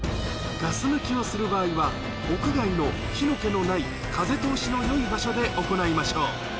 ガス抜きをする場合は、屋外の火の気のない風通しのよい場所で行いましょう。